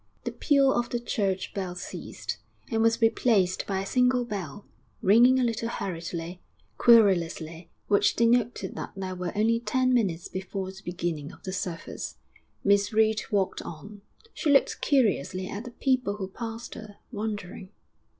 The peal of the church bells ceased, and was replaced by a single bell, ringing a little hurriedly, querulously, which denoted that there were only ten minutes before the beginning of the service. Miss Reed walked on; she looked curiously at the people who passed her, wondering....